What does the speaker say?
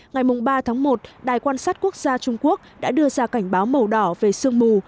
ngày ba tháng một đài quan sát quốc gia trung quốc đã đưa ra cảnh báo màu đỏ về sương mù